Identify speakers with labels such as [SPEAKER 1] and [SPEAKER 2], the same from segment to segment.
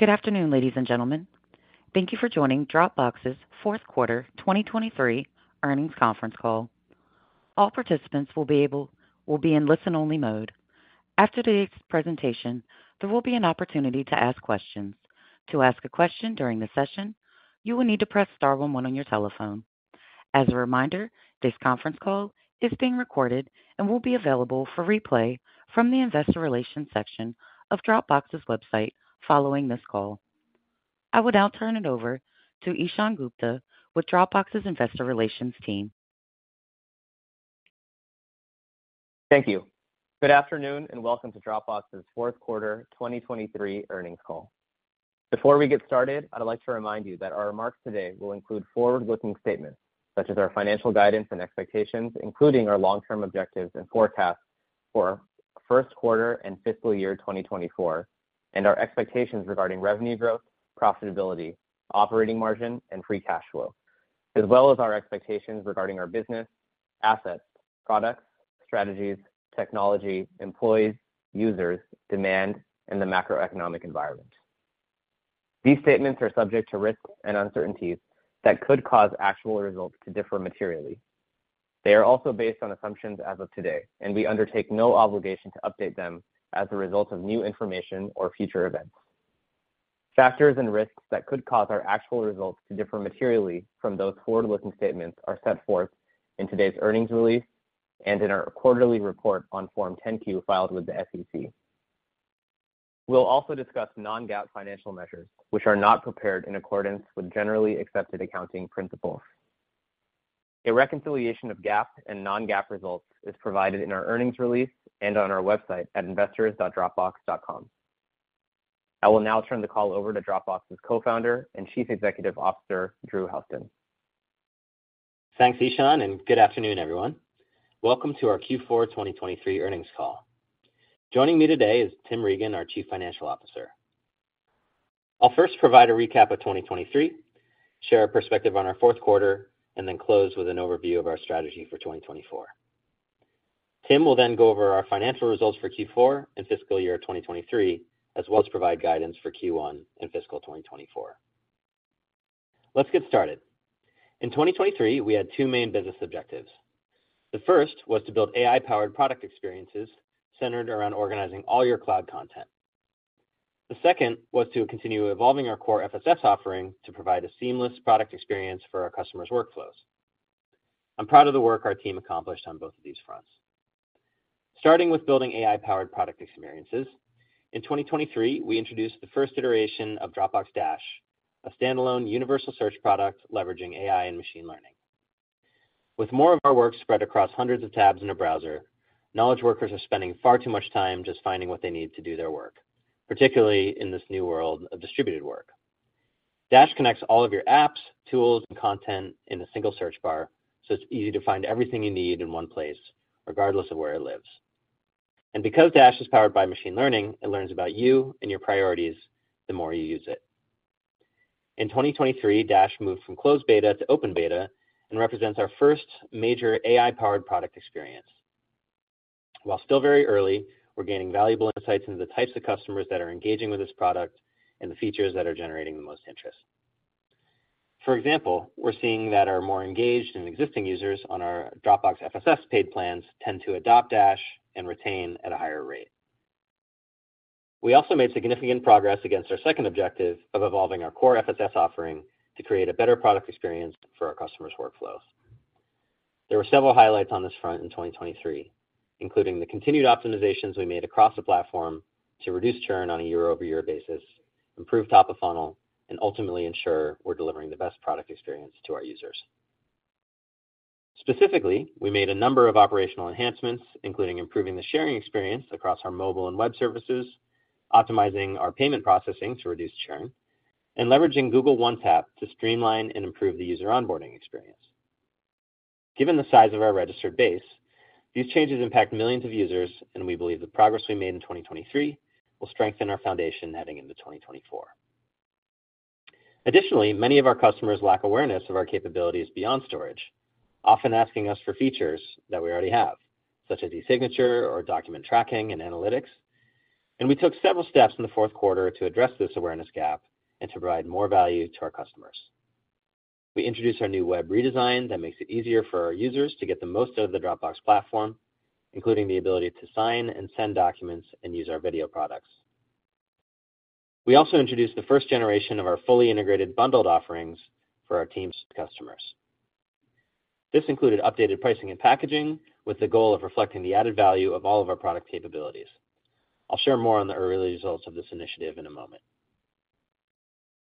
[SPEAKER 1] Good afternoon, ladies and gentlemen. Thank you for joining Dropbox's Fourth Quarter 2023 Earnings Conference Call. All participants will be able to be in listen-only mode. After today's presentation, there will be an opportunity to ask questions. To ask a question during the session, you will need to press star one one on your telephone. As a reminder, this conference call is being recorded and will be available for replay from the Investor Relations section of Dropbox's website following this call. I would now turn it over to Ishaan Gupta with Dropbox's Investor Relations team.
[SPEAKER 2] Thank you. Good afternoon and welcome to Dropbox's fourth quarter 2023 earnings call. Before we get started, I'd like to remind you that our remarks today will include forward-looking statements such as our financial guidance and expectations, including our long-term objectives and forecasts for first quarter and fiscal year 2024, and our expectations regarding revenue growth, profitability, operating margin, and free cash flow, as well as our expectations regarding our business, assets, products, strategies, technology, employees, users, demand, and the macroeconomic environment. These statements are subject to risks and uncertainties that could cause actual results to differ materially. They are also based on assumptions as of today, and we undertake no obligation to update them as a result of new information or future events. Factors and risks that could cause our actual results to differ materially from those forward-looking statements are set forth in today's earnings release and in our quarterly report on Form 10-Q filed with the SEC. We'll also discuss non-GAAP financial measures, which are not prepared in accordance with generally accepted accounting principles. A reconciliation of GAAP and non-GAAP results is provided in our earnings release and on our website at investors.dropbox.com. I will now turn the call over to Dropbox's Co-founder and Chief Executive Officer, Drew Houston.
[SPEAKER 3] Thanks, Ishaan, and good afternoon, everyone. Welcome to our Q4 2023 earnings call. Joining me today is Tim Regan, our Chief Financial Officer. I'll first provide a recap of 2023, share a perspective on our fourth quarter, and then close with an overview of our strategy for 2024. Tim will then go over our financial results for Q4 and fiscal year 2023, as well as provide guidance for Q1 and fiscal 2024. Let's get started. In 2023, we had two main business objectives. The first was to build AI-powered product experiences centered around organizing all your cloud content. The second was to continue evolving our core FSS offering to provide a seamless product experience for our customers' workflows. I'm proud of the work our team accomplished on both of these fronts. Starting with building AI-powered product experiences, in 2023, we introduced the first iteration of Dropbox Dash, a standalone universal search product leveraging AI and machine learning. With more of our work spread across hundreds of tabs in a browser, knowledge workers are spending far too much time just finding what they need to do their work, particularly in this new world of distributed work. Dash connects all of your apps, tools, and content in a single search bar, so it's easy to find everything you need in one place, regardless of where it lives. And because Dash is powered by machine learning, it learns about you and your priorities the more you use it. In 2023, Dash moved from closed beta to open beta and represents our first major AI-powered product experience. While still very early, we're gaining valuable insights into the types of customers that are engaging with this product and the features that are generating the most interest. For example, we're seeing that our more engaged and existing users on our Dropbox FSS paid plans tend to adopt Dash and retain at a higher rate. We also made significant progress against our second objective of evolving our core FSS offering to create a better product experience for our customers' workflows. There were several highlights on this front in 2023, including the continued optimizations we made across the platform to reduce churn on a year-over-year basis, improve top-of-funnel, and ultimately ensure we're delivering the best product experience to our users. Specifically, we made a number of operational enhancements, including improving the sharing experience across our mobile and web services, optimizing our payment processing to reduce churn, and leveraging Google One Tap to streamline and improve the user onboarding experience. Given the size of our registered base, these changes impact millions of users, and we believe the progress we made in 2023 will strengthen our foundation heading into 2024. Additionally, many of our customers lack awareness of our capabilities beyond storage, often asking us for features that we already have, such as e-signature or document tracking and analytics. We took several steps in the fourth quarter to address this awareness gap and to provide more value to our customers. We introduced our new web redesign that makes it easier for our users to get the most out of the Dropbox platform, including the ability to sign and send documents and use our video products. We also introduced the first generation of our fully integrated bundled offerings for our team's customers. This included updated pricing and packaging with the goal of reflecting the added value of all of our product capabilities. I'll share more on the early results of this initiative in a moment.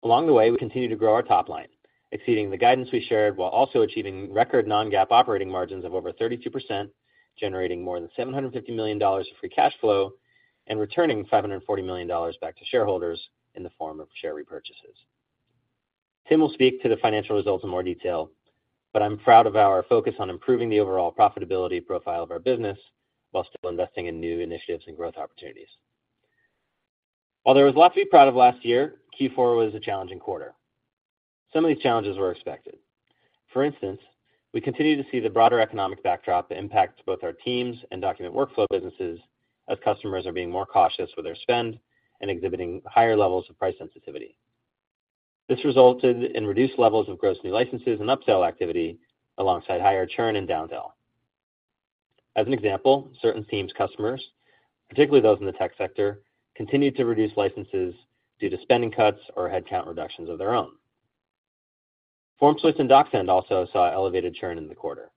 [SPEAKER 3] Along the way, we continue to grow our top line, exceeding the guidance we shared while also achieving record Non-GAAP operating margins of over 32%, generating more than $750 million of free cash flow, and returning $540 million back to shareholders in the form of share repurchases. Tim will speak to the financial results in more detail, but I'm proud of our focus on improving the overall profitability profile of our business while still investing in new initiatives and growth opportunities. While there was a lot to be proud of last year, Q4 was a challenging quarter. Some of these challenges were expected. For instance, we continue to see the broader economic backdrop impact both our Teams and document workflow businesses as customers are being more cautious with their spend and exhibiting higher levels of price sensitivity. This resulted in reduced levels of gross new licenses and upsell activity alongside higher churn and downgrade. As an example, certain Teams' customers, particularly those in the tech sector, continued to reduce licenses due to spending cuts or headcount reductions of their own. FormSwift and DocSend also saw elevated churn in the quarter.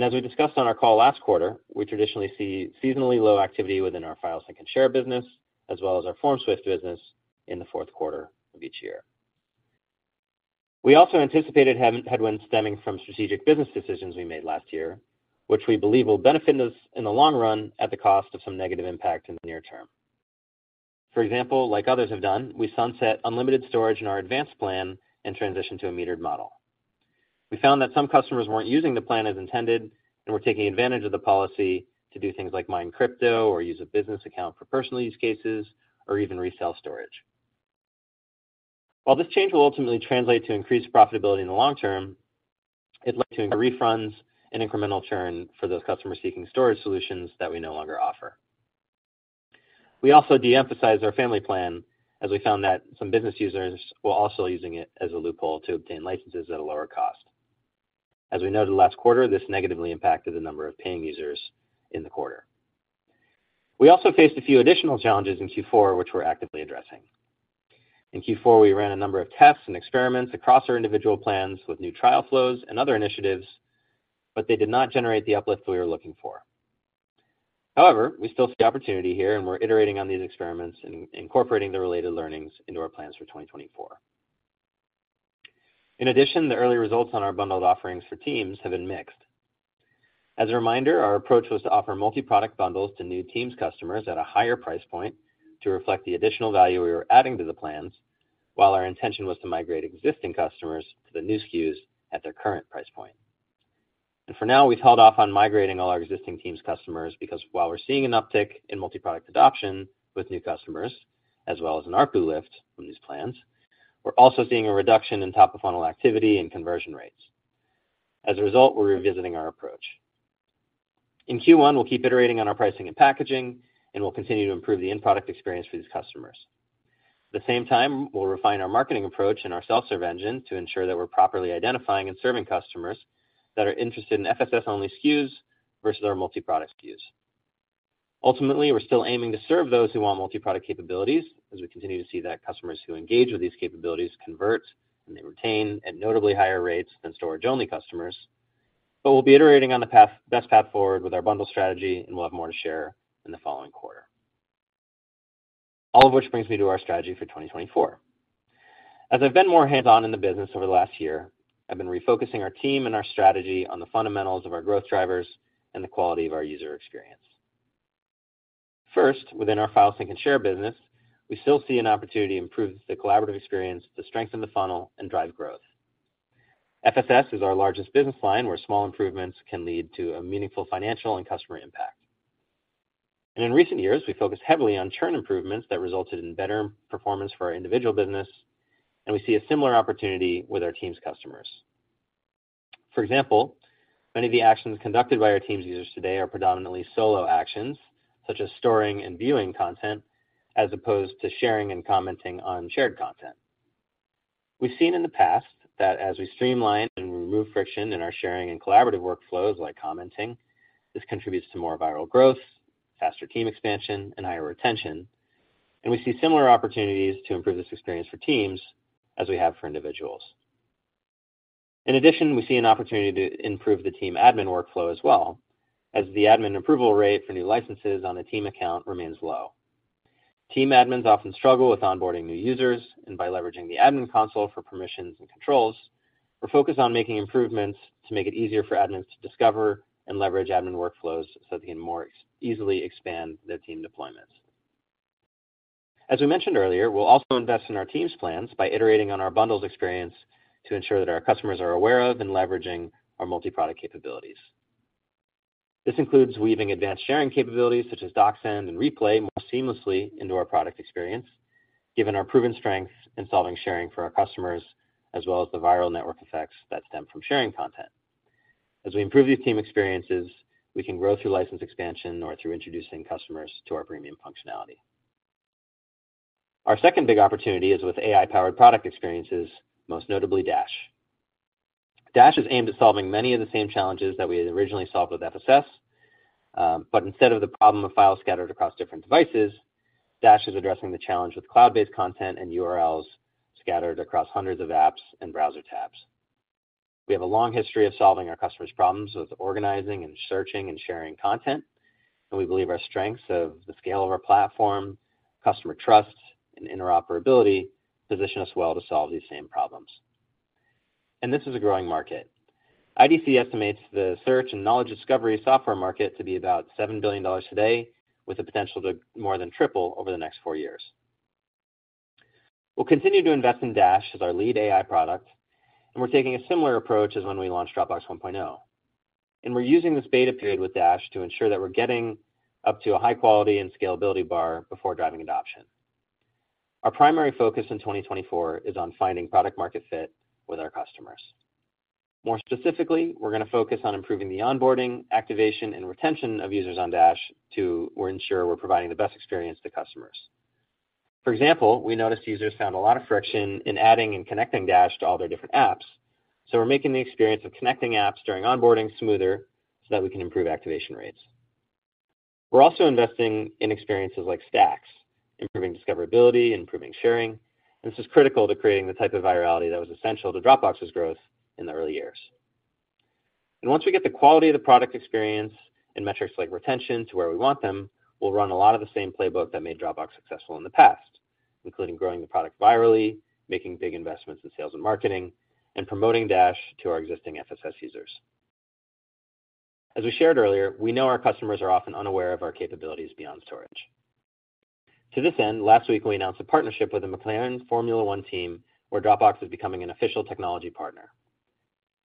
[SPEAKER 3] As we discussed on our call last quarter, we traditionally see seasonally low activity within our file sync and share business, as well as our FormSwift business in the fourth quarter of each year. We also anticipated headwinds stemming from strategic business decisions we made last year, which we believe will benefit us in the long run at the cost of some negative impact in the near term. For example, like others have done, we sunset unlimited storage in our Advanced plan and transitioned to a metered model. We found that some customers weren't using the plan as intended and were taking advantage of the policy to do things like mine crypto or use a business account for personal use cases, or even resell storage. While this change will ultimately translate to increased profitability in the long term, it led to refunds and incremental churn for those customers seeking storage solutions that we no longer offer. We also de-emphasized our Family plan as we found that some business users were also using it as a loophole to obtain licenses at a lower cost. As we noted last quarter, this negatively impacted the number of paying users in the quarter. We also faced a few additional challenges in Q4, which we're actively addressing. In Q4, we ran a number of tests and experiments across our individual plans with new trial flows and other initiatives, but they did not generate the uplift we were looking for. However, we still see opportunity here, and we're iterating on these experiments and incorporating the related learnings into our plans for 2024. In addition, the early results on our bundled offerings for teams have been mixed. As a reminder, our approach was to offer multi-product bundles to new Teams' customers at a higher price point to reflect the additional value we were adding to the plans, while our intention was to migrate existing customers to the new SKUs at their current price point. For now, we've held off on migrating all our existing Teams' customers because while we're seeing an uptick in multi-product adoption with new customers, as well as an ARPU lift from these plans, we're also seeing a reduction in top-of-funnel activity and conversion rates. As a result, we're revisiting our approach. In Q1, we'll keep iterating on our pricing and packaging, and we'll continue to improve the end product experience for these customers. At the same time, we'll refine our marketing approach and our self-serve engine to ensure that we're properly identifying and serving customers that are interested in FSS-only SKUs versus our multi-product SKUs. Ultimately, we're still aiming to serve those who want multi-product capabilities as we continue to see that customers who engage with these capabilities convert and they retain at notably higher rates than storage-only customers. But we'll be iterating on the best path forward with our bundle strategy, and we'll have more to share in the following quarter. All of which brings me to our strategy for 2024. As I've been more hands-on in the business over the last year, I've been refocusing our team and our strategy on the fundamentals of our growth drivers and the quality of our user experience. First, within our file sync and share business, we still see an opportunity to improve the collaborative experience, to strengthen the funnel, and drive growth. FSS is our largest business line where small improvements can lead to a meaningful financial and customer impact. In recent years, we focus heavily on churn improvements that resulted in better performance for our individual business, and we see a similar opportunity with our Teams' customers. For example, many of the actions conducted by our Teams' users today are predominantly solo actions, such as storing and viewing content, as opposed to sharing and commenting on shared content. We've seen in the past that as we streamline and remove friction in our sharing and collaborative workflows like commenting, this contributes to more viral growth, faster team expansion, and higher retention. We see similar opportunities to improve this experience for teams as we have for individuals. In addition, we see an opportunity to improve the team admin workflow as well, as the admin approval rate for new licenses on a Team account remains low. Team admins often struggle with onboarding new users, and by leveraging the admin console for permissions and controls, we're focused on making improvements to make it easier for admins to discover and leverage admin workflows so they can more easily expand their team deployments. As we mentioned earlier, we'll also invest in our Teams' plans by iterating on our bundles experience to ensure that our customers are aware of and leveraging our multi-product capabilities. This includes weaving advanced sharing capabilities such as DocSend and Replay more seamlessly into our product experience, given our proven strength in solving sharing for our customers, as well as the viral network effects that stem from sharing content. As we improve these team experiences, we can grow through license expansion or through introducing customers to our premium functionality. Our second big opportunity is with AI-powered product experiences, most notably Dash. Dash is aimed at solving many of the same challenges that we had originally solved with FSS. But instead of the problem of files scattered across different devices, Dash is addressing the challenge with cloud-based content and URLs scattered across hundreds of apps and browser tabs. We have a long history of solving our customers' problems with organizing and searching and sharing content. And we believe our strengths of the scale of our platform, customer trust, and interoperability position us well to solve these same problems. This is a growing market. IDC estimates the search and knowledge discovery software market to be about $7 billion today, with the potential to more than triple over the next four years. We'll continue to invest in Dash as our lead AI product, and we're taking a similar approach as when we launched Dropbox 1.0. We're using this beta period with Dash to ensure that we're getting up to a high quality and scalability bar before driving adoption. Our primary focus in 2024 is on finding product-market fit with our customers. More specifically, we're going to focus on improving the onboarding, activation, and retention of users on Dash to ensure we're providing the best experience to customers. For example, we noticed users found a lot of friction in adding and connecting Dash to all their different apps. So we're making the experience of connecting apps during onboarding smoother so that we can improve activation rates. We're also investing in experiences like Stacks, improving discoverability, improving sharing. And this is critical to creating the type of virality that was essential to Dropbox's growth in the early years. And once we get the quality of the product experience and metrics like retention to where we want them, we'll run a lot of the same playbook that made Dropbox successful in the past, including growing the product virally, making big investments in sales and marketing, and promoting Dash to our existing FSS users. As we shared earlier, we know our customers are often unaware of our capabilities beyond storage. To this end, last week, we announced a partnership with the McLaren Formula One team where Dropbox is becoming an official technology partner.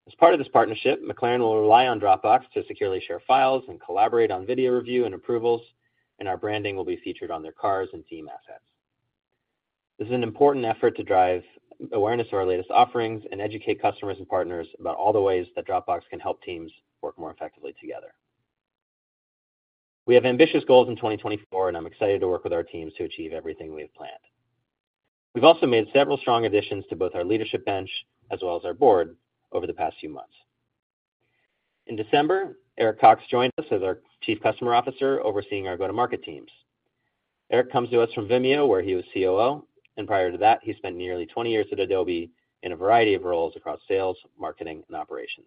[SPEAKER 3] As part of this partnership, McLaren will rely on Dropbox to securely share files and collaborate on video review and approvals, and our branding will be featured on their cars and team assets. This is an important effort to drive awareness of our latest offerings and educate customers and partners about all the ways that Dropbox can help teams work more effectively together. We have ambitious goals in 2024, and I'm excited to work with our teams to achieve everything we've planned. We've also made several strong additions to both our leadership bench as well as our board over the past few months. In December, Eric Cox joined us as our Chief Customer Officer overseeing our go-to-market teams. Eric comes to us from Vimeo, where he was COO. Prior to that, he spent nearly 20 years at Adobe in a variety of roles across sales, marketing, and operations.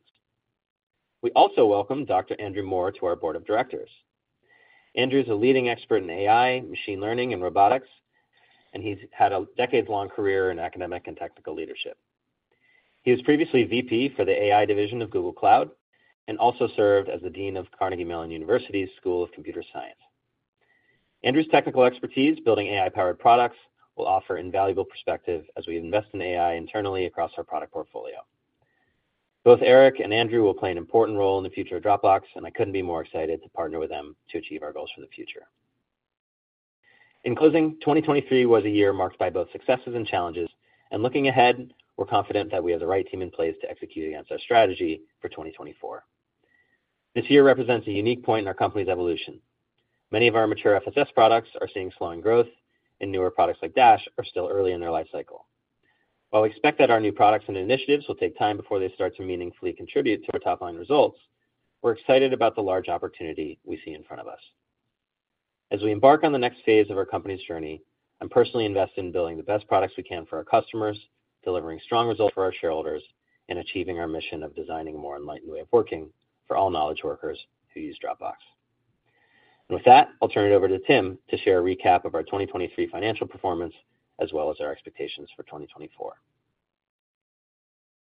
[SPEAKER 3] We also welcomed Dr. Andrew Moore to our board of directors. Andrew is a leading expert in AI, machine learning, and robotics, and he's had a decades-long career in academic and technical leadership. He was previously VP for the AI division of Google Cloud and also served as the dean of Carnegie Mellon University's School of Computer Science. Andrew's technical expertise building AI-powered products will offer invaluable perspective as we invest in AI internally across our product portfolio. Both Eric and Andrew will play an important role in the future of Dropbox, and I couldn't be more excited to partner with them to achieve our goals for the future. In closing, 2023 was a year marked by both successes and challenges. Looking ahead, we're confident that we have the right team in place to execute against our strategy for 2024. This year represents a unique point in our company's evolution. Many of our mature FSS products are seeing slowing growth, and newer products like Dash are still early in their life cycle. While we expect that our new products and initiative will take time before they start to meaningfully contribute to our top-line results, we're excited about the large opportunity we see in front of us. As we embark on the next phase of our company's journey, I'm personally invested in building the best products we can for our customers, delivering strong results for our shareholders, and achieving our mission of designing a more enlightened way of working for all knowledge workers who use Dropbox. With that, I'll turn it over to Tim to share a recap of our 2023 financial performance as well as our expectations for 2024.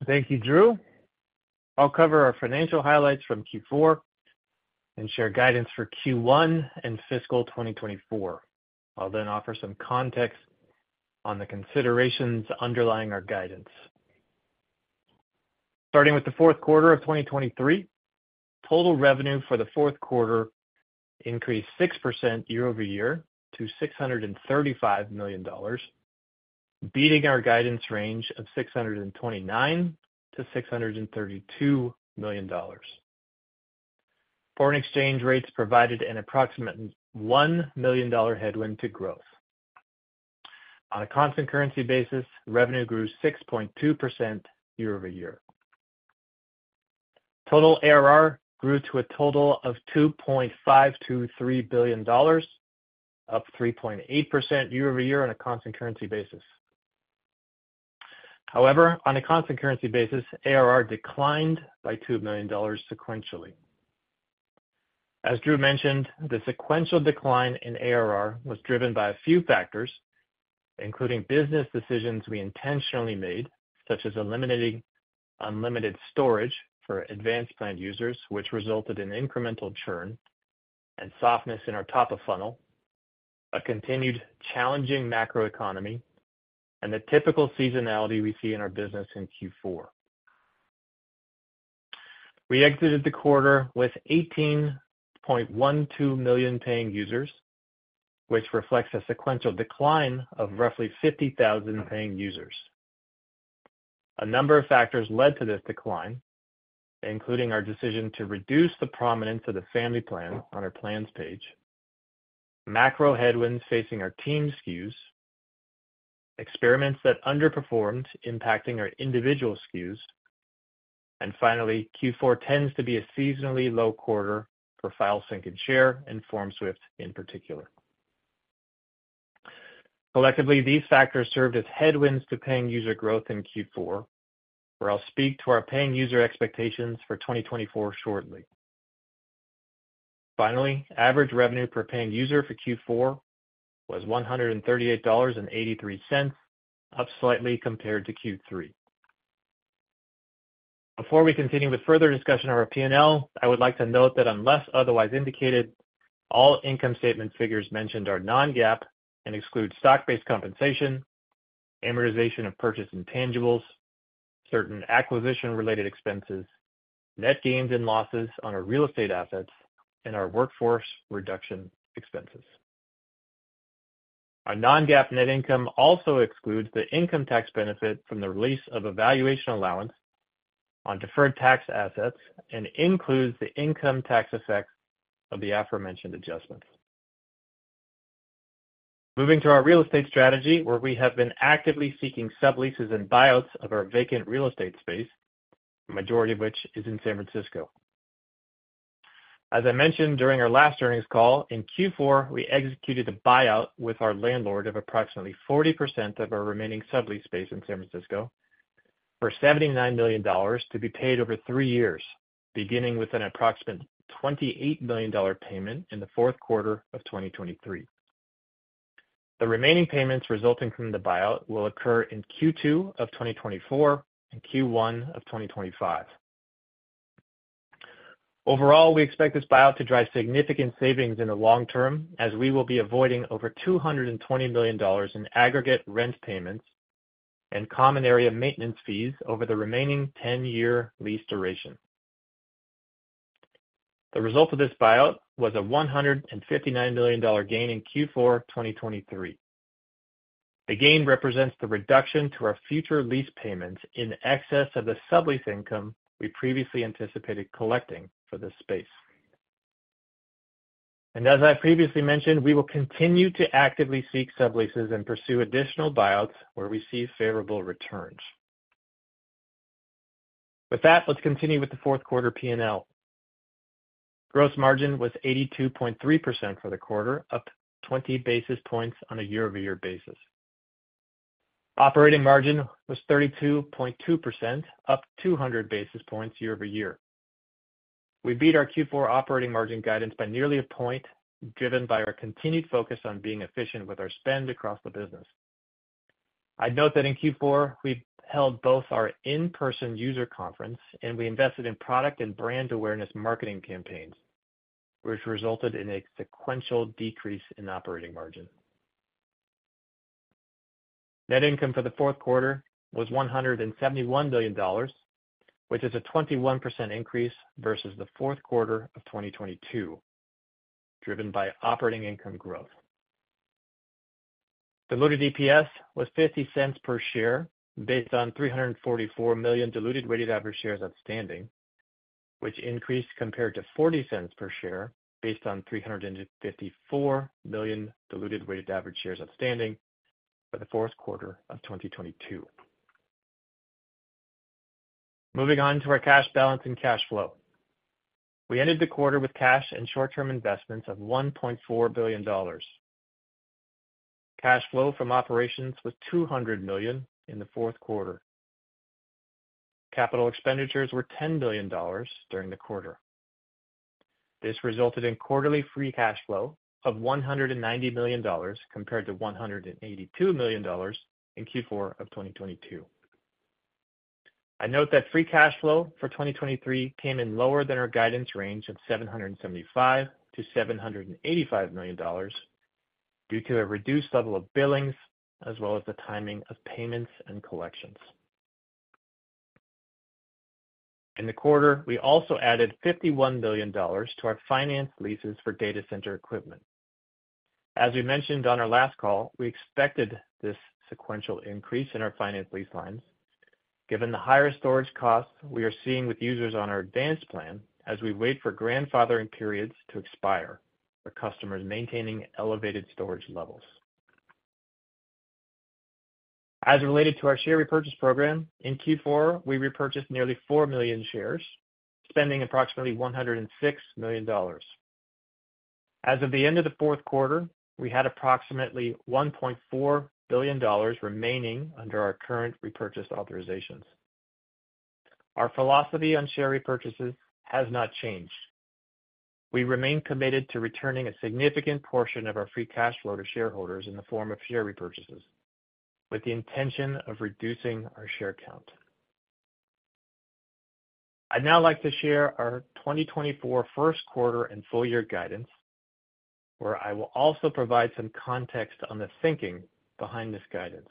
[SPEAKER 4] Thank you, Drew. I'll cover our financial highlights from Q4 and share guidance for Q1 and fiscal 2024. I'll then offer some context on the considerations underlying our guidance. Starting with the fourth quarter of 2023, total revenue for the fourth quarter increased 6% year-over-year to $635 million, beating our guidance range of $629 million-$632 million. Foreign exchange rates provided an approximate $1 million headwind to growth. On a constant currency basis, revenue grew 6.2% year-over-year. Total ARR grew to a total of $2.523 billion, up 3.8% year-over-year on a constant currency basis. However, on a constant currency basis, ARR declined by $2 million sequentially. As Drew mentioned, the sequential decline in ARR was driven by a few factors, including business decisions we intentionally made, such as eliminating unlimited storage for advanced plan users, which resulted in incremental churn and softness in our top-of-funnel, a continued challenging macroeconomy, and the typical seasonality we see in our business in Q4. We exited the quarter with 18.12 million paying users, which reflects a sequential decline of roughly 50,000 paying users. A number of factors led to this decline, including our decision to reduce the prominence of the Family plan on our plans page, macro headwinds facing our Team SKUs, experiments that underperformed impacting our individual SKUs, and finally, Q4 tends to be a seasonally low quarter for file sync and share and FormSwift in particular. Collectively, these factors served as headwinds to paying user growth in Q4, where I'll speak to our paying user expectations for 2024 shortly. Finally, average revenue per paying user for Q4 was $138.83, up slightly compared to Q3. Before we continue with further discussion of our P&L, I would like to note that unless otherwise indicated, all income statement figures mentioned are non-GAAP and exclude stock-based compensation, amortization of purchase intangibles, certain acquisition-related expenses, net gains and losses on our real estate assets, and our workforce reduction expenses. Our non-GAAP net income also excludes the income tax benefit from the release of valuation allowance on deferred tax assets and includes the income tax effects of the aforementioned adjustments. Moving to our real estate strategy, where we have been actively seeking subleases and buyouts of our vacant real estate space, the majority of which is in San Francisco. As I mentioned during our last earnings call, in Q4, we executed a buyout with our landlord of approximately 40% of our remaining sublease space in San Francisco for $79 million to be paid over three years, beginning with an approximate $28 million payment in the fourth quarter of 2023. The remaining payments resulting from the buyout will occur in Q2 of 2024 and Q1 of 2025. Overall, we expect this buyout to drive significant savings in the long term, as we will be avoiding over $220 million in aggregate rent payments and common area maintenance fees over the remaining 10-year lease duration. The result of this buyout was a $159 million gain in Q4 2023. The gain represents the reduction to our future lease payments in excess of the sublease income we previously anticipated collecting for this space. As I previously mentioned, we will continue to actively seek subleases and pursue additional buyouts where we see favorable returns. With that, let's continue with the fourth quarter P&L. Gross margin was 82.3% for the quarter, up 20 basis points on a year-over-year basis. Operating margin was 32.2%, up 200 basis points year-over-year. We beat our Q4 operating margin guidance by nearly a point, driven by our continued focus on being efficient with our spend across the business. I'd note that in Q4, we held both our in-person user conference and we invested in product and brand awareness marketing campaigns, which resulted in a sequential decrease in operating margin. Net income for the fourth quarter was $171 million, which is a 21% increase versus the fourth quarter of 2022, driven by operating income growth. Diluted EPS was $0.50 per share based on 344 million diluted weighted average shares outstanding, which increased compared to $0.40 per share based on 354 million diluted weighted average shares outstanding for the fourth quarter of 2022. Moving on to our cash balance and cash flow. We ended the quarter with cash and short-term investments of $1.4 billion. Cash flow from operations was $200 million in the fourth quarter. Capital expenditures were $10 million during the quarter. This resulted in quarterly free cash flow of $190 million compared to $182 million in Q4 of 2022. I note that free cash flow for 2023 came in lower than our guidance range of $775 million-$785 million due to a reduced level of billings as well as the timing of payments and collections. In the quarter, we also added $51 million to our finance leases for data center equipment. As we mentioned on our last call, we expected this sequential increase in our finance lease lines, given the higher storage costs we are seeing with users on our Advanced plan as we wait for grandfathering periods to expire, our customers maintaining elevated storage levels. As related to our share repurchase program, in Q4, we repurchased nearly 4 million shares, spending approximately $106 million. As of the end of the fourth quarter, we had approximately $1.4 billion remaining under our current repurchase authorizations. Our philosophy on share repurchases has not changed. We remain committed to returning a significant portion of our free cash flow to shareholders in the form of share repurchases, with the intention of reducing our share count. I'd now like to share our 2024 first quarter and full year guidance, where I will also provide some context on the thinking behind this guidance.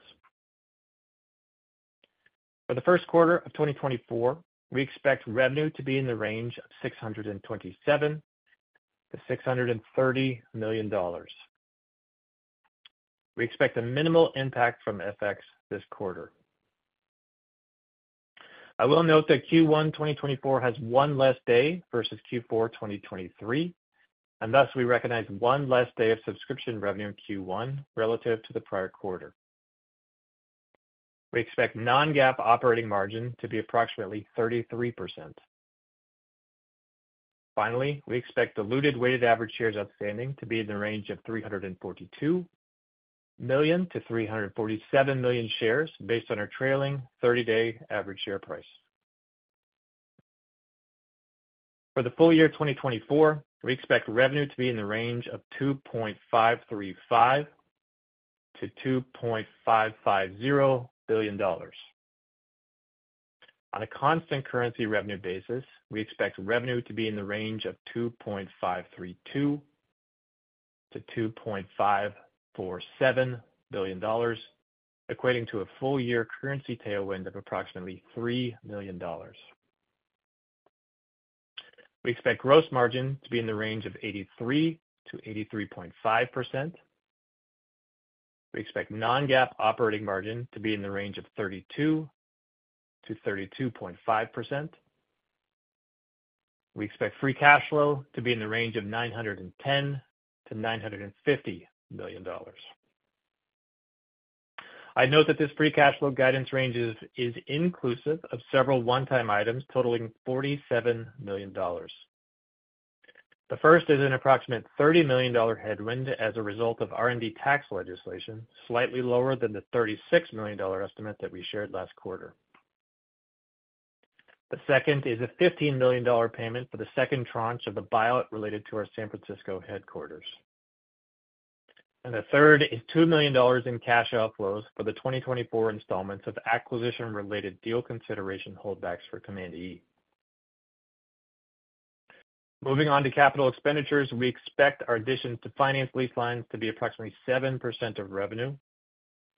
[SPEAKER 4] For the first quarter of 2024, we expect revenue to be in the range of $627 million-$630 million. We expect a minimal impact from FX this quarter. I will note that Q1 2024 has one less day versus Q4 2023, and thus we recognize one less day of subscription revenue in Q1 relative to the prior quarter. We expect non-GAAP operating margin to be approximately 33%. Finally, we expect diluted weighted average shares outstanding to be in the range of $342 million-$347 million shares based on our trailing 30-day average share price. For the full year 2024, we expect revenue to be in the range of $2.535 billion-$2.550 billion. On a constant currency revenue basis, we expect revenue to be in the range of $2.532 billion-$2.547 billion, equating to a full year currency tailwind of approximately $3 million. We expect gross margin to be in the range of 83%-83.5%. We expect non-GAAP operating margin to be in the range of 32%-32.5%. We expect free cash flow to be in the range of $910 million-$950 million. I'd note that this free cash flow guidance range is inclusive of several one-time items totaling $47 million. The first is an approximate $30 million headwind as a result of R&D tax legislation, slightly lower than the $36 million estimate that we shared last quarter. The second is a $15 million payment for the second tranche of the buyout related to our San Francisco headquarters. The third is $2 million in cash outflows for the 2024 installments of acquisition-related deal consideration holdbacks for Command E. Moving on to capital expenditures, we expect our additions to finance lease lines to be approximately 7% of revenue,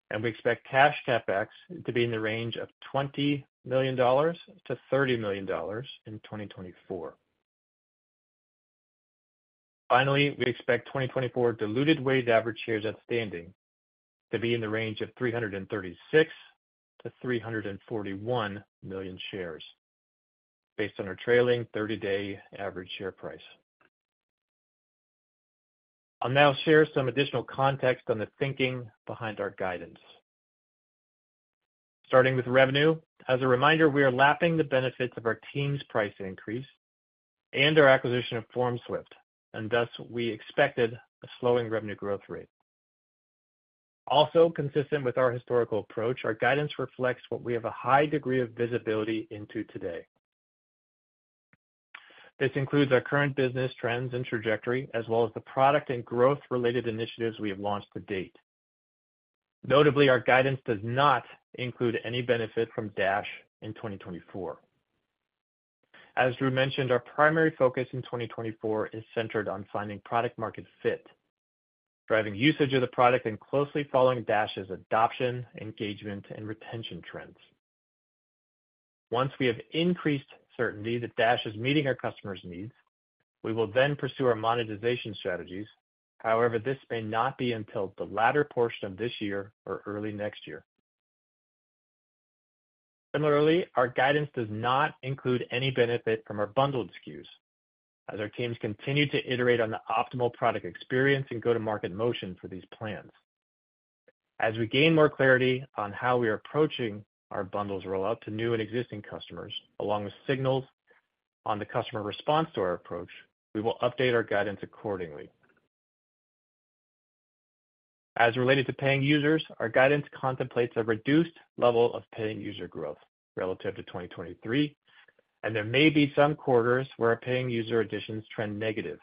[SPEAKER 4] and we expect cash CapEx to be in the range of $20 million-$30 million in 2024. Finally, we expect 2024 diluted weighted average shares outstanding to be in the range of $336 million-$341 million shares based on our trailing 30-day average share price. I'll now share some additional context on the thinking behind our guidance. Starting with revenue, as a reminder, we are lapping the benefits of our Teams price increase and our acquisition of FormSwift, and thus we expected a slowing revenue growth rate. Also, consistent with our historical approach, our guidance reflects what we have a high degree of visibility into today. This includes our current business trends and trajectory, as well as the product and growth-related initiatives we have launched to date. Notably, our guidance does not include any benefit from Dash in 2024. As Drew mentioned, our primary focus in 2024 is centered on finding product-market fit, driving usage of the product, and closely following Dash's adoption, engagement, and retention trends. Once we have increased certainty that Dash is meeting our customers' needs, we will then pursue our monetization strategies. However, this may not be until the latter portion of this year or early next year. Similarly, our guidance does not include any benefit from our bundled SKUs, as our teams continue to iterate on the optimal product experience and go-to-market motion for these plans. As we gain more clarity on how we are approaching our bundles' rollout to new and existing customers, along with signals on the customer response to our approach, we will update our guidance accordingly. As related to paying users, our guidance contemplates a reduced level of paying user growth relative to 2023, and there may be some quarters where our paying user additions trend negative.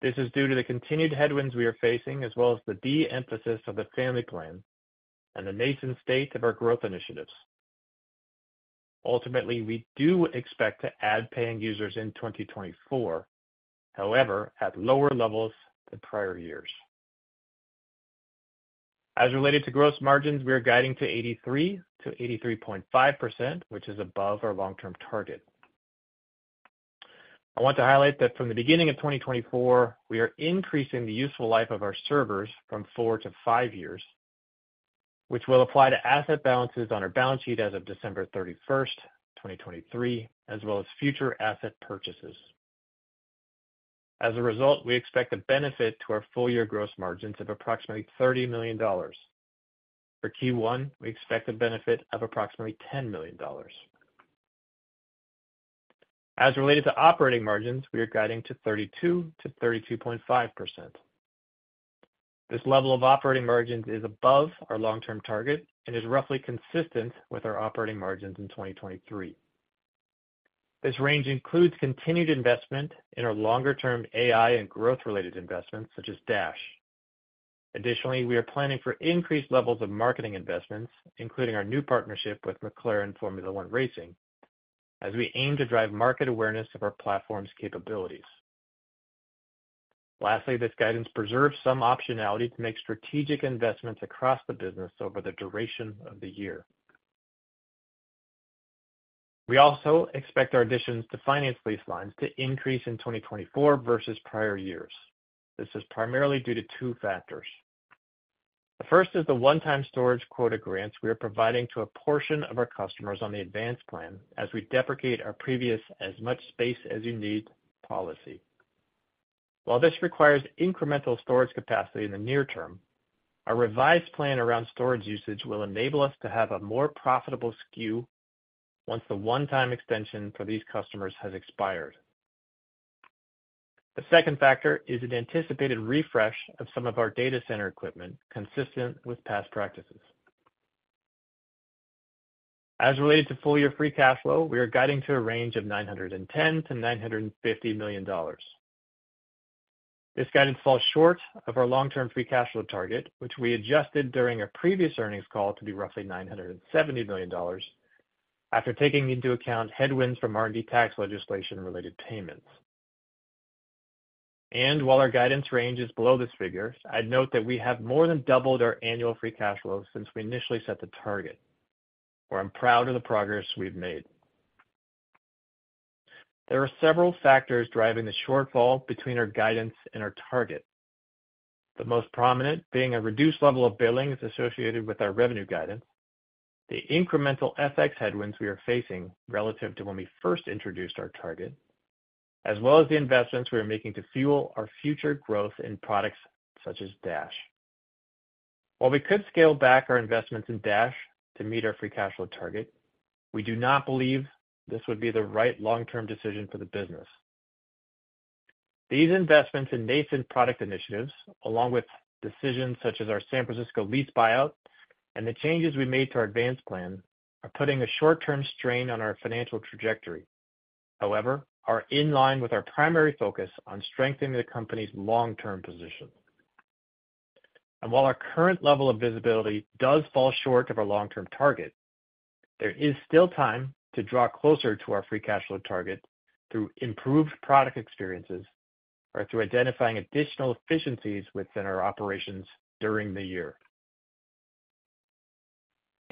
[SPEAKER 4] This is due to the continued headwinds we are facing, as well as the de-emphasis of the Family plan and the nascent state of our growth initiatives. Ultimately, we do expect to add paying users in 2024, however, at lower levels than prior years. As related to gross margins, we are guiding to 83%-83.5%, which is above our long-term target. I want to highlight that from the beginning of 2024, we are increasing the useful life of our servers from four to five years, which will apply to asset balances on our balance sheet as of December 31, 2023, as well as future asset purchases. As a result, we expect a benefit to our full year gross margins of approximately $30 million. For Q1, we expect a benefit of approximately $10 million. As related to operating margins, we are guiding to 32%-32.5%. This level of operating margins is above our long-term target and is roughly consistent with our operating margins in 2023. This range includes continued investment in our longer-term AI and growth-related investments, such as Dash. Additionally, we are planning for increased levels of marketing investments, including our new partnership with McLaren Formula One Racing, as we aim to drive market awareness of our platform's capabilities. Lastly, this guidance preserves some optionality to make strategic investments across the business over the duration of the year. We also expect our additions to finance lease lines to increase in 2024 versus prior years. This is primarily due to two factors. The first is the one-time storage quota grants we are providing to a portion of our customers on the Advanced plan as we deprecate our previous "as much space as you need" policy. While this requires incremental storage capacity in the near term, our revised plan around storage usage will enable us to have a more profitable SKU once the one-time extension for these customers has expired. The second factor is an anticipated refresh of some of our data center equipment consistent with past practices. As related to full year free cash flow, we are guiding to a range of $910 million-$950 million. This guidance falls short of our long-term free cash flow target, which we adjusted during our previous earnings call to be roughly $970 million after taking into account headwinds from R&D tax legislation-related payments. And while our guidance range is below this figure, I'd note that we have more than doubled our annual free cash flow since we initially set the target, where I'm proud of the progress we've made. There are several factors driving the shortfall between our guidance and our target, the most prominent being a reduced level of billings associated with our revenue guidance, the incremental FX headwinds we are facing relative to when we first introduced our target, as well as the investments we are making to fuel our future growth in products such as Dash. While we could scale back our investments in Dash to meet our free cash flow target, we do not believe this would be the right long-term decision for the business. These investments in nascent product initiatives, along with decisions such as our San Francisco lease buyout and the changes we made to our Advanced plan, are putting a short-term strain on our financial trajectory. However, they are in line with our primary focus on strengthening the company's long-term position. While our current level of visibility does fall short of our long-term target, there is still time to draw closer to our free cash flow target through improved product experiences or through identifying additional efficiencies within our operations during the year.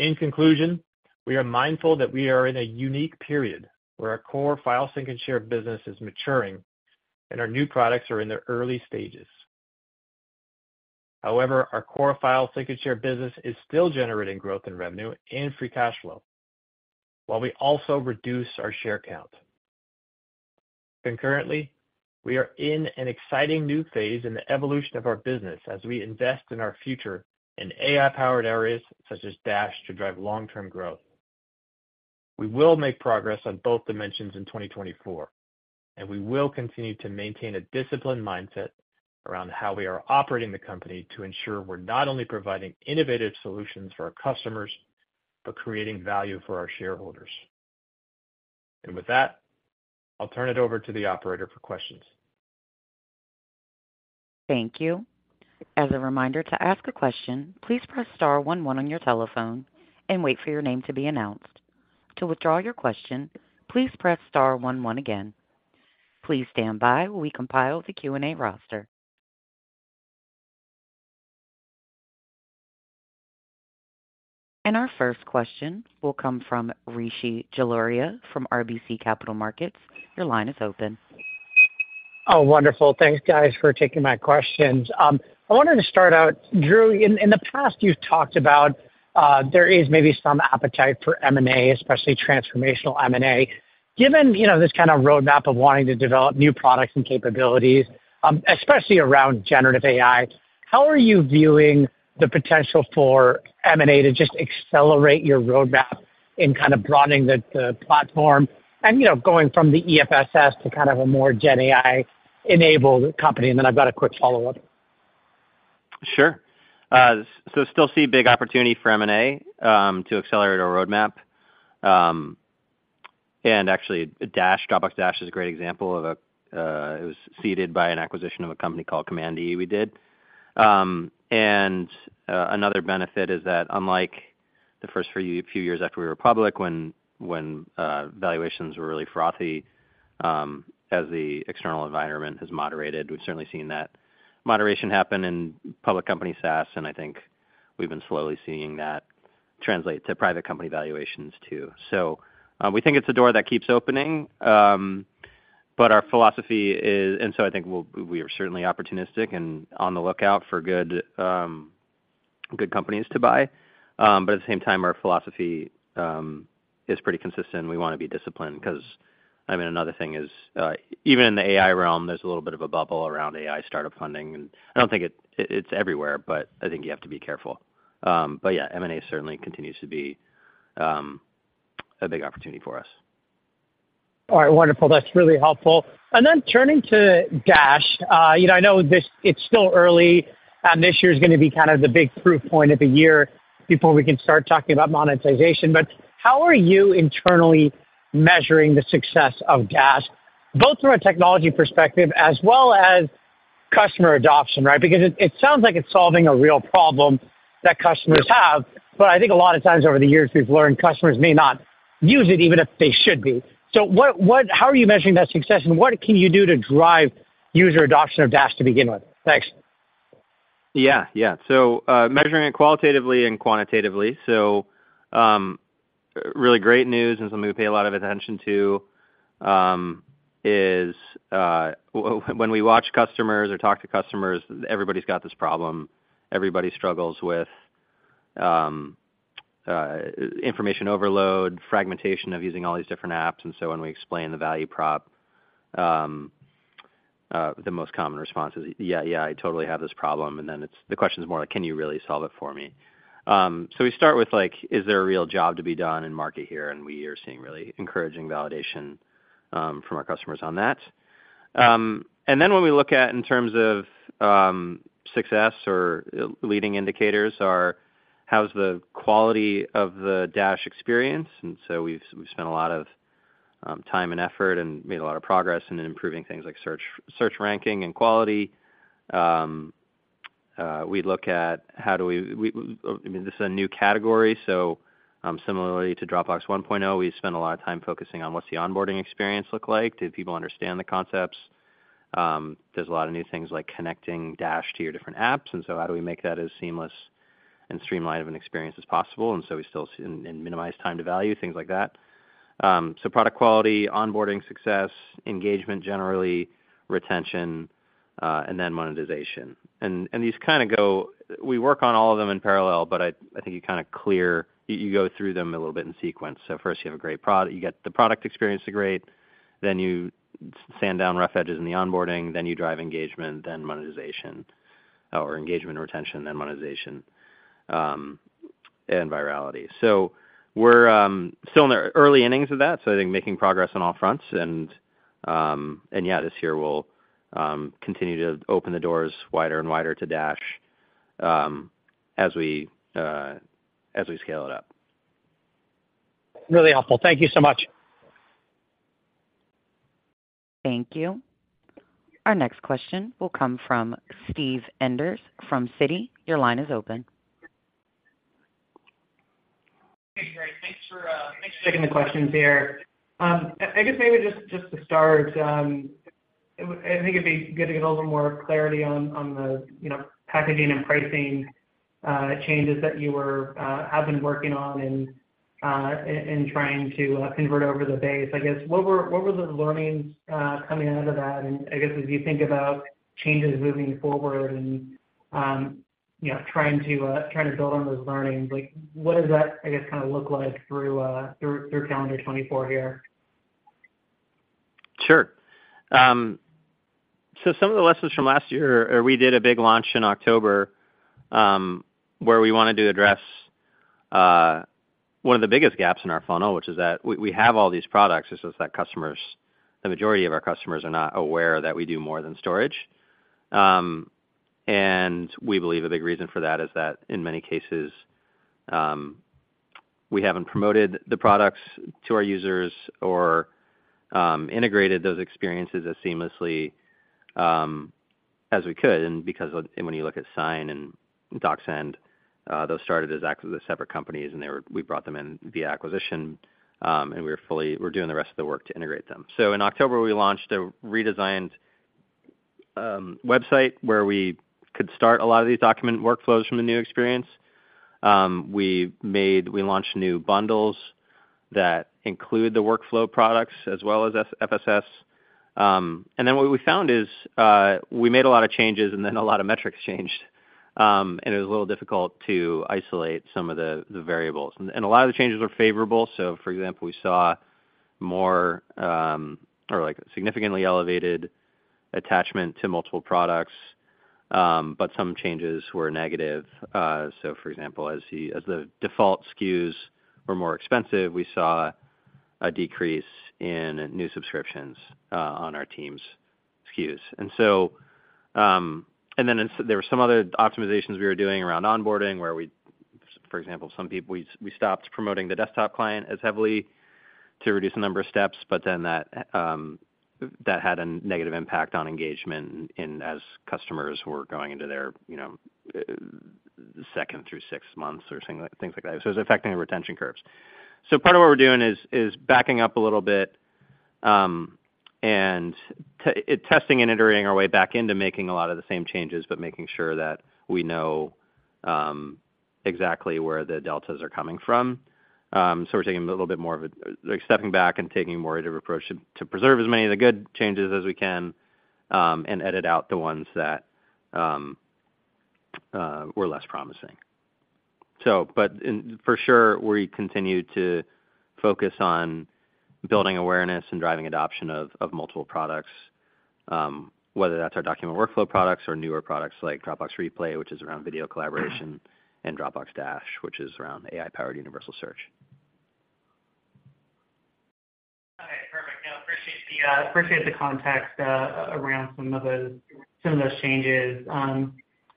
[SPEAKER 4] In conclusion, we are mindful that we are in a unique period where our core file sync and share business is maturing, and our new products are in their early stages. However, our core file sync and share business is still generating growth in revenue and free cash flow, while we also reduce our share count. Concurrently, we are in an exciting new phase in the evolution of our business as we invest in our future in AI-powered areas such as Dash to drive long-term growth. We will make progress on both dimensions in 2024, and we will continue to maintain a disciplined mindset around how we are operating the company to ensure we're not only providing innovative solutions for our customers but creating value for our shareholders. With that, I'll turn it over to the operator for questions.
[SPEAKER 1] Thank you. As a reminder, to ask a question, please press star one one on your telephone and wait for your name to be announced. To withdraw your question, please press star one one again. Please stand by while we compile the Q&A roster. Our first question will come from Rishi Jaluria from RBC Capital Markets. Your line is open.
[SPEAKER 5] Oh, wonderful. Thanks, guys, for taking my questions. I wanted to start out, Drew, in the past, you've talked about there is maybe some appetite for M&A, especially transformational M&A. Given this kind of roadmap of wanting to develop new products and capabilities, especially around generative AI, how are you viewing the potential for M&A to just accelerate your roadmap in kind of broadening the platform and going from the EFSS to kind of a more GenAI-enabled company? And then I've got a quick follow-up.
[SPEAKER 3] Sure. So still see big opportunity for M&A to accelerate our roadmap. And actually, Dropbox Dash is a great example of a it was seeded by an acquisition of a company called Command E we did. And another benefit is that, unlike the first few years after we were public, when valuations were really frothy as the external environment has moderated, we've certainly seen that moderation happen in public company SaaS, and I think we've been slowly seeing that translate to private company valuations too. So we think it's a door that keeps opening. But our philosophy is and so I think we are certainly opportunistic and on the lookout for good companies to buy. But at the same time, our philosophy is pretty consistent. We want to be disciplined because I mean, another thing is, even in the AI realm, there's a little bit of a bubble around AI startup funding. And I don't think it's everywhere, but I think you have to be careful. But yeah, M&A certainly continues to be a big opportunity for us.
[SPEAKER 5] All right. Wonderful. That's really helpful. And then turning to Dash, I know it's still early, and this year is going to be kind of the big proof point of the year before we can start talking about monetization. But how are you internally measuring the success of Dash, both from a technology perspective as well as customer adoption, right? Because it sounds like it's solving a real problem that customers have. But I think a lot of times over the years, we've learned customers may not use it, even if they should be. So how are you measuring that success, and what can you do to drive user adoption of Dash to begin with? Thanks.
[SPEAKER 3] Yeah. Yeah. So measuring it qualitatively and quantitatively. So really great news and something we pay a lot of attention to is when we watch customers or talk to customers, everybody's got this problem. Everybody struggles with information overload, fragmentation of using all these different apps. And so when we explain the value prop, the most common response is, "Yeah, yeah, I totally have this problem." And then the question is more like, "Can you really solve it for me?" So we start with, "Is there a real job to be done in market here?" And we are seeing really encouraging validation from our customers on that. And then when we look at in terms of success or leading indicators, how's the quality of the Dash experience? We've spent a lot of time and effort and made a lot of progress in improving things like search ranking and quality. We look at how do we, I mean, this is a new category. So similarly to Dropbox 1.0, we spent a lot of time focusing on what's the onboarding experience look like? Do people understand the concepts? There's a lot of new things like connecting Dash to your different apps. And so how do we make that as seamless and streamlined of an experience as possible? And so we still minimize time to value, things like that. So product quality, onboarding success, engagement generally, retention, and then monetization. And these kind of go, we work on all of them in parallel, but I think you kind of clear, you go through them a little bit in sequence. So first, you have a great product. You get the product experience to great. Then you sand down rough edges in the onboarding. Then you drive engagement, then monetization or engagement and retention, then monetization and virality. So we're still in the early innings of that. So I think making progress on all fronts. And yeah, this year, we'll continue to open the doors wider and wider to Dash as we scale it up.
[SPEAKER 5] Really helpful. Thank you so much.
[SPEAKER 1] Thank you. Our next question will come from Steve Enders from Citi. Your line is open.
[SPEAKER 6] Hey, Drew. Thanks for taking the questions here. I guess maybe just to start, I think it'd be good to get a little more clarity on the packaging and pricing changes that you have been working on and trying to convert over the base. I guess what were the learnings coming out of that? And I guess as you think about changes moving forward and trying to build on those learnings, what does that, I guess, kind of look like through calendar 2024 here?
[SPEAKER 3] Sure. So some of the lessons from last year, we did a big launch in October where we wanted to address one of the biggest gaps in our funnel, which is that we have all these products. It's just that the majority of our customers are not aware that we do more than storage. And we believe a big reason for that is that, in many cases, we haven't promoted the products to our users or integrated those experiences as seamlessly as we could. And when you look at Sign and DocSend, those started as separate companies, and we brought them in via acquisition, and we were doing the rest of the work to integrate them. So in October, we launched a redesigned website where we could start a lot of these document workflows from the new experience. We launched new bundles that include the workflow products as well as FSS. And then what we found is we made a lot of changes, and then a lot of metrics changed, and it was a little difficult to isolate some of the variables. And a lot of the changes were favorable. So, for example, we saw more or significantly elevated attachment to multiple products, but some changes were negative. So, for example, as the default SKUs were more expensive, we saw a decrease in new subscriptions on our Teams SKUs. And then there were some other optimizations we were doing around onboarding where we, for example, we stopped promoting the desktop client as heavily to reduce the number of steps, but then that had a negative impact on engagement as customers were going into their second through six months or things like that. So it was affecting the retention curves. So part of what we're doing is backing up a little bit and testing and iterating our way back into making a lot of the same changes, but making sure that we know exactly where the deltas are coming from. So we're taking a little bit more of a stepping back and taking a more iterative approach to preserve as many of the good changes as we can and edit out the ones that were less promising. But for sure, we continue to focus on building awareness and driving adoption of multiple products, whether that's our document workflow products or newer products like Dropbox Replay, which is around video collaboration, and Dropbox Dash, which is around AI-powered universal search.
[SPEAKER 6] Okay. Perfect. Yeah, I appreciate the context around some of those changes.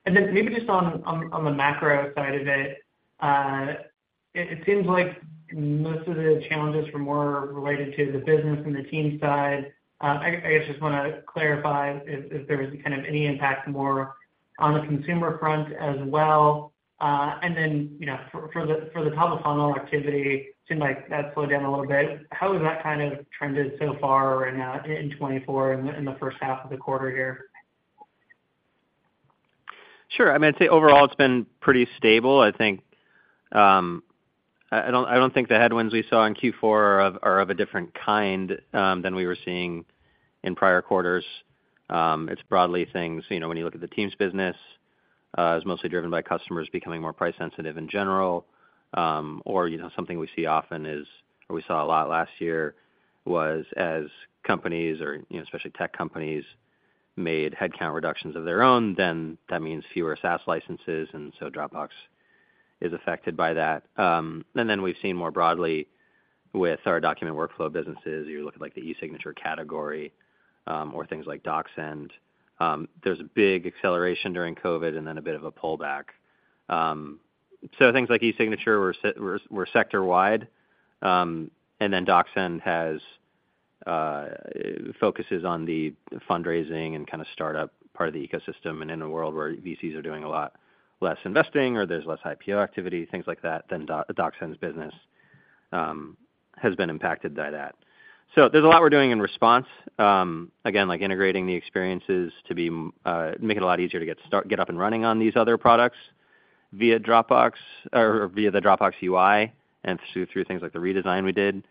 [SPEAKER 6] And then maybe just on the macro side of it, it seems like most of the challenges were more related to the business and the Teams side. I guess just want to clarify if there was kind of any impact more on the consumer front as well. And then for the top-of-funnel activity, it seemed like that slowed down a little bit. How has that kind of trended so far in 2024 in the first half of the quarter here?
[SPEAKER 3] Sure. I mean, I'd say overall, it's been pretty stable. I don't think the headwinds we saw in Q4 are of a different kind than we were seeing in prior quarters. It's broadly things when you look at the Teams business, it's mostly driven by customers becoming more price-sensitive in general. Or something we see often is or we saw a lot last year was as companies, especially tech companies, made headcount reductions of their own, then that means fewer SaaS licenses. And so Dropbox is affected by that. And then we've seen more broadly with our document workflow businesses, you're looking at the e-signature category or things like DocSend. There's a big acceleration during COVID and then a bit of a pullback. So things like e-signature were sector-wide. And then DocSend focuses on the fundraising and kind of startup part of the ecosystem. In a world where VCs are doing a lot less investing or there's less IPO activity, things like that, then DocSend's business has been impacted by that. So there's a lot we're doing in response. Again, integrating the experiences to make it a lot easier to get up and running on these other products via Dropbox or via the Dropbox UI and through things like the redesign we did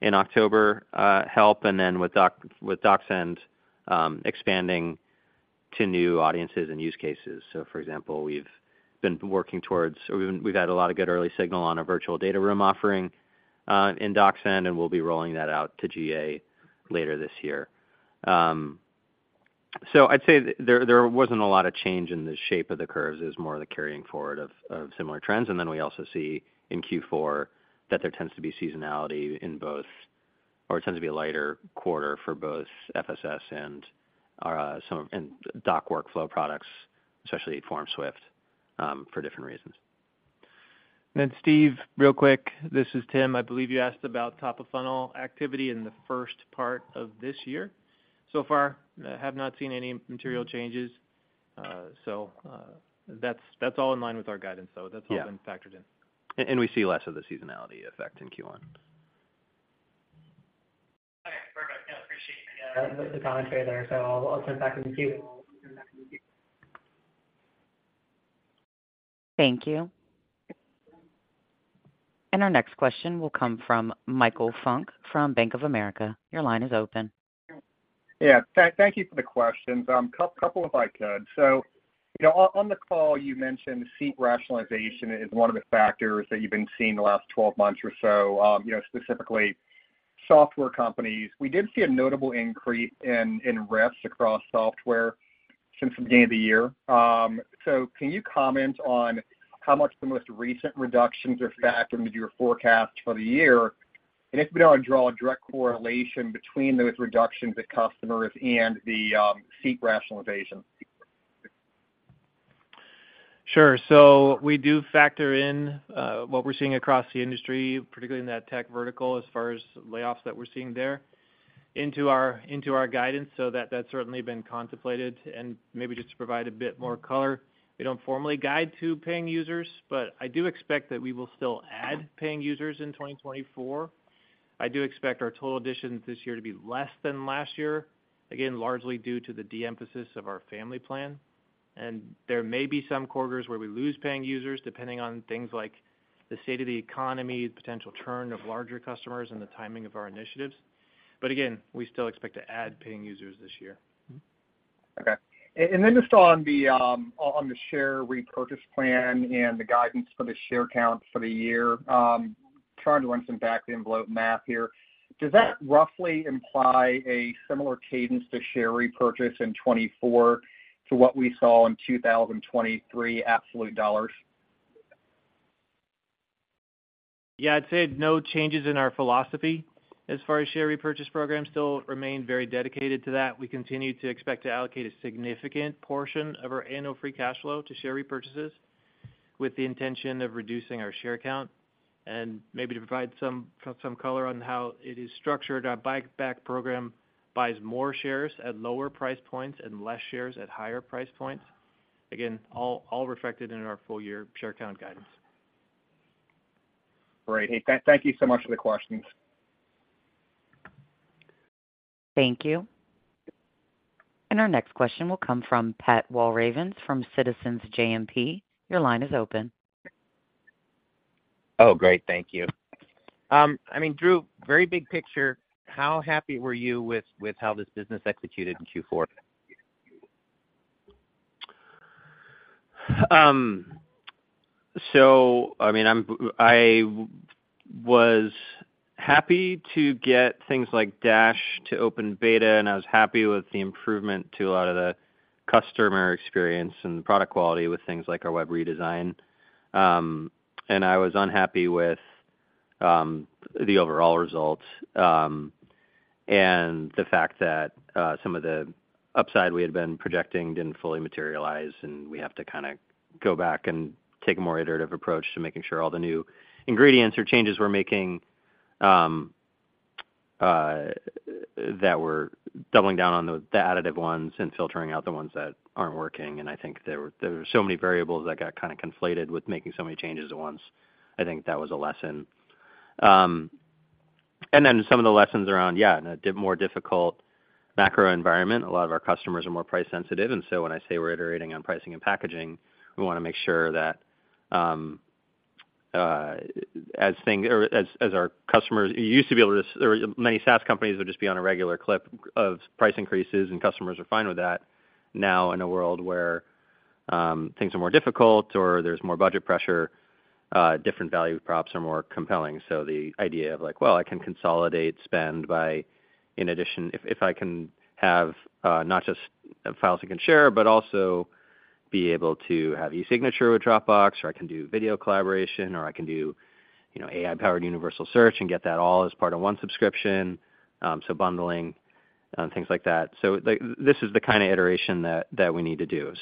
[SPEAKER 3] in October help. And then with DocSend expanding to new audiences and use cases. So, for example, we've been working towards or we've had a lot of good early signal on a virtual data room offering in DocSend, and we'll be rolling that out to GA later this year. So I'd say there wasn't a lot of change in the shape of the curves. It was more of the carrying forward of similar trends. And then we also see in Q4 that there tends to be seasonality in both or it tends to be a lighter quarter for both FSS and some of and doc workflow products, especially FormSwift, for different reasons.
[SPEAKER 4] Then, Steve, real quick, this is Tim. I believe you asked about top-of-funnel activity in the first part of this year. So far, I have not seen any material changes. So that's all in line with our guidance, though. That's all been factored in.
[SPEAKER 3] We see less of the seasonality effect in Q1.
[SPEAKER 6] Okay. Perfect. Yeah, appreciate the commentary there. So I'll send back in the Q.
[SPEAKER 1] Thank you. And our next question will come from Michael Funk from Bank of America. Your line is open.
[SPEAKER 7] Yeah. Thank you for the questions. A couple, if I could. So on the call, you mentioned seat rationalization is one of the factors that you've been seeing the last 12 months or so, specifically software companies. We did see a notable increase in RIFs across software since the beginning of the year. So can you comment on how much the most recent reductions are factored into your forecast for the year? And if you don't want to draw a direct correlation between those reductions at customers and the seat rationalization.
[SPEAKER 3] Sure. So we do factor in what we're seeing across the industry, particularly in that tech vertical as far as layoffs that we're seeing there into our guidance. So that's certainly been contemplated. And maybe just to provide a bit more color, we don't formally guide to paying users, but I do expect that we will still add paying users in 2024. I do expect our total additions this year to be less than last year, again, largely due to the de-emphasis of our Family plan. And there may be some quarters where we lose paying users depending on things like the state of the economy, the potential turn of larger customers, and the timing of our initiatives. But again, we still expect to add paying users this year.
[SPEAKER 7] Okay. And then just on the share repurchase plan and the guidance for the share count for the year, trying to run some back-of-the-envelope math here, does that roughly imply a similar cadence to share repurchase in 2024 to what we saw in 2023 absolute dollars?
[SPEAKER 3] Yeah, I'd say no changes in our philosophy as far as share repurchase program. Still remain very dedicated to that. We continue to expect to allocate a significant portion of our annual free cash flow to share repurchases with the intention of reducing our share count and maybe to provide some color on how it is structured. Our buyback program buys more shares at lower price points and less shares at higher price points, again, all reflected in our full-year share count guidance.
[SPEAKER 7] Great. Hey, thank you so much for the questions.
[SPEAKER 1] Thank you. Our next question will come from Pat Walravens from Citizens JMP. Your line is open.
[SPEAKER 8] Oh, great. Thank you. I mean, Drew, very big picture, how happy were you with how this business executed in Q4?
[SPEAKER 3] So, I mean, I was happy to get things like Dash to open beta, and I was happy with the improvement to a lot of the customer experience and the product quality with things like our web redesign. And I was unhappy with the overall results and the fact that some of the upside we had been projecting didn't fully materialize, and we have to kind of go back and take a more iterative approach to making sure all the new ingredients or changes we're making that were doubling down on the additive ones and filtering out the ones that aren't working. And I think there were so many variables that got kind of conflated with making so many changes at once. I think that was a lesson. And then some of the lessons around, yeah, in a more difficult macro environment, a lot of our customers are more price-sensitive. And so when I say we're iterating on pricing and packaging, we want to make sure that as our customers used to be able to many SaaS companies would just be on a regular clip of price increases, and customers are fine with that. Now, in a world where things are more difficult or there's more budget pressure, different value props are more compelling. So the idea of like, "Well, I can consolidate spend by in addition if I can have not just files I can share, but also be able to have e-signature with Dropbox, or I can do video collaboration, or I can do AI-powered universal search and get that all as part of one subscription," so bundling and things like that. So this is the kind of iteration that we need to do.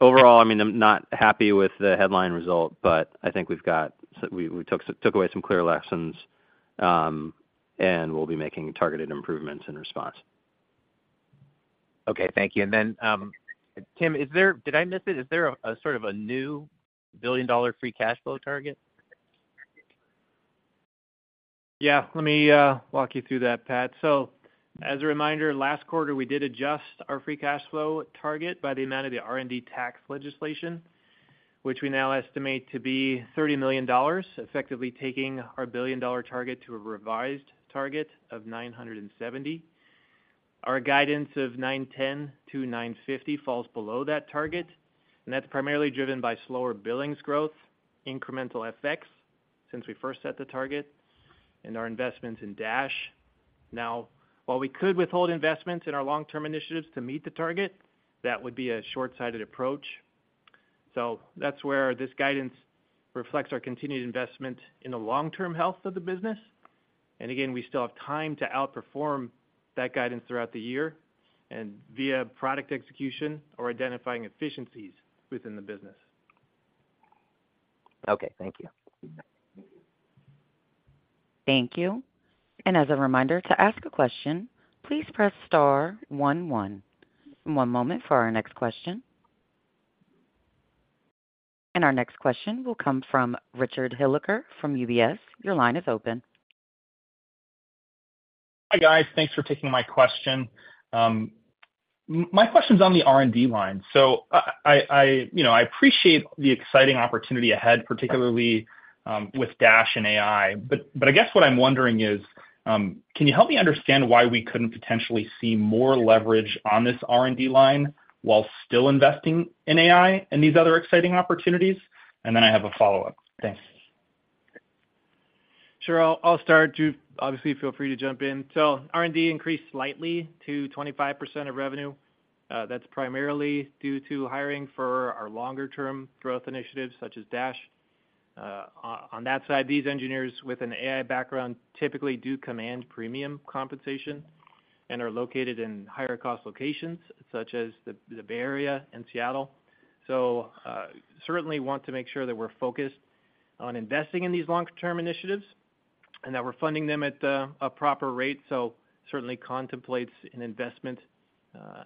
[SPEAKER 3] Overall, I mean, I'm not happy with the headline result, but I think we took away some clear lessons, and we'll be making targeted improvements in response.
[SPEAKER 8] Okay. Thank you. And then, Tim, did I miss it? Is there a sort of a new billion-dollar free cash flow target?
[SPEAKER 4] Yeah. Let me walk you through that, Pat. So as a reminder, last quarter, we did adjust our free cash flow target by the amount of the R&D tax legislation, which we now estimate to be $30 million, effectively taking our billion-dollar target to a revised target of $970 million. Our guidance of $910 million-$950 million falls below that target, and that's primarily driven by slower billings growth, incremental effects since we first set the target, and our investments in Dash. Now, while we could withhold investments in our long-term initiatives to meet the target, that would be a short-sighted approach. So that's where this guidance reflects our continued investment in the long-term health of the business. And again, we still have time to outperform that guidance throughout the year and via product execution or identifying efficiencies within the business.
[SPEAKER 8] Okay. Thank you.
[SPEAKER 1] Thank you. And as a reminder, to ask a question, please press star one one. One moment for our next question. And our next question will come from Richard Hilliker from UBS. Your line is open.
[SPEAKER 9] Hi, guys. Thanks for taking my question. My question's on the R&D line. So I appreciate the exciting opportunity ahead, particularly with Dash and AI. But I guess what I'm wondering is, can you help me understand why we couldn't potentially see more leverage on this R&D line while still investing in AI and these other exciting opportunities? And then I have a follow-up. Thanks.
[SPEAKER 4] Sure. I'll start. Drew, obviously, feel free to jump in. So R&D increased slightly to 25% of revenue. That's primarily due to hiring for our longer-term growth initiatives such as Dash. On that side, these engineers with an AI background typically do command premium compensation and are located in higher-cost locations such as the Bay Area and Seattle. So certainly want to make sure that we're focused on investing in these long-term initiatives and that we're funding them at a proper rate. So certainly contemplates an investment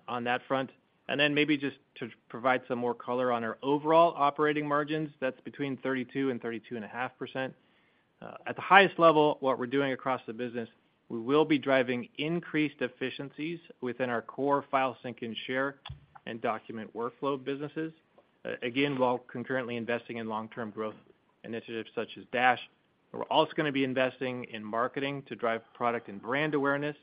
[SPEAKER 4] on that front. And then maybe just to provide some more color on our overall operating margins, that's between 32% and 32.5%. At the highest level, what we're doing across the business, we will be driving increased efficiencies within our core file sync and share and document workflow businesses, again, while concurrently investing in long-term growth initiatives such as Dash. We're also going to be investing in marketing to drive product and brand awareness,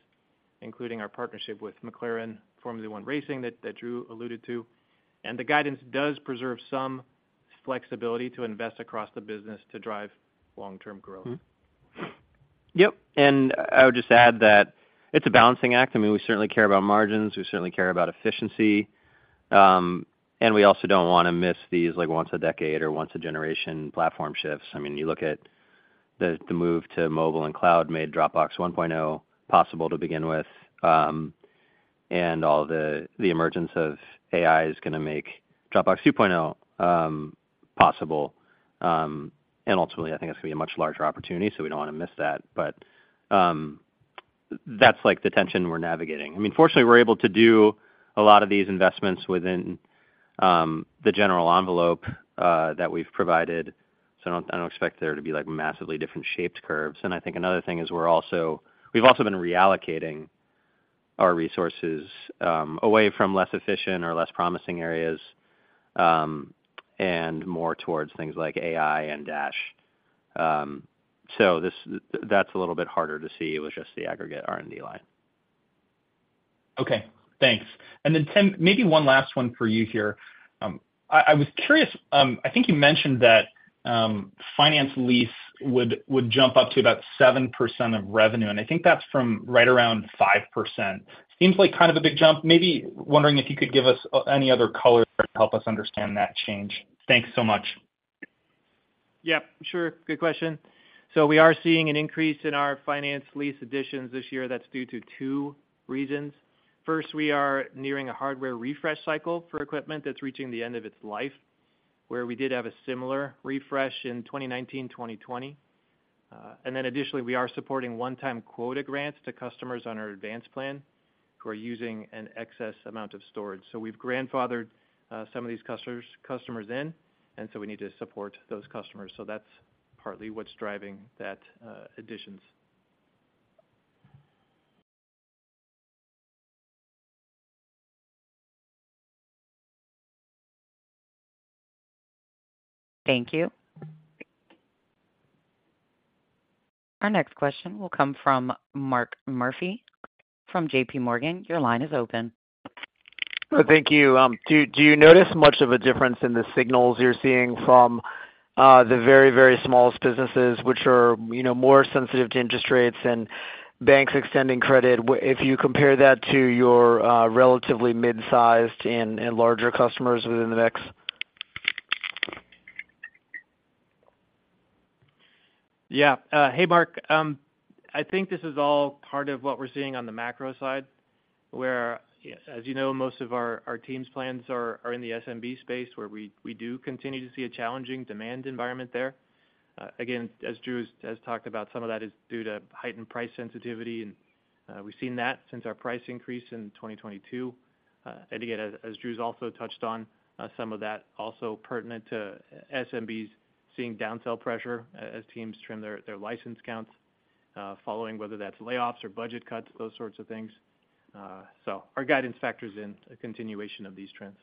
[SPEAKER 4] including our partnership with McLaren Formula One Racing that Drew alluded to. And the guidance does preserve some flexibility to invest across the business to drive long-term growth. Yep. And I would just add that it's a balancing act. I mean, we certainly care about margins. We certainly care about efficiency. And we also don't want to miss these once-a-decade or once-a-generation platform shifts. I mean, you look at the move to mobile and cloud made Dropbox 1.0 possible to begin with. And all the emergence of AI is going to make Dropbox 2.0 possible. Ultimately, I think it's going to be a much larger opportunity. So we don't want to miss that. But that's the tension we're navigating. I mean, fortunately, we're able to do a lot of these investments within the general envelope that we've provided. So I don't expect there to be massively different shaped curves. And I think another thing is we've also been reallocating our resources away from less efficient or less promising areas and more towards things like AI and Dash. So that's a little bit harder to see with just the aggregate R&D line.
[SPEAKER 9] Okay. Thanks. And then, Tim, maybe one last one for you here. I was curious. I think you mentioned that finance lease would jump up to about 7% of revenue. And I think that's from right around 5%. Seems like kind of a big jump. Maybe wondering if you could give us any other color to help us understand that change? Thanks so much.
[SPEAKER 4] Yep. Sure. Good question. So we are seeing an increase in our finance lease additions this year. That's due to two reasons. First, we are nearing a hardware refresh cycle for equipment that's reaching the end of its life, where we did have a similar refresh in 2019, 2020. And then additionally, we are supporting one-time quota grants to customers on our Advanced plan who are using an excess amount of storage. So we've grandfathered some of these customers in, and so we need to support those customers. So that's partly what's driving that additions.
[SPEAKER 1] Thank you. Our next question will come from Mark Murphy from JPMorgan. Your line is open.
[SPEAKER 10] Well, thank you. Do you notice much of a difference in the signals you're seeing from the very, very smallest businesses, which are more sensitive to interest rates and banks extending credit, if you compare that to your relatively midsized and larger customers within the mix?
[SPEAKER 4] Yeah. Hey, Mark. I think this is all part of what we're seeing on the macro side, where, as you know, most of our Teams plans are in the SMB space, where we do continue to see a challenging demand environment there. Again, as Drew has talked about, some of that is due to heightened price sensitivity. And we've seen that since our price increase in 2022. And again, as Drew's also touched on, some of that also pertinent to SMBs seeing downsell pressure as teams trim their license counts, following whether that's layoffs or budget cuts, those sorts of things. So our guidance factors in a continuation of these trends.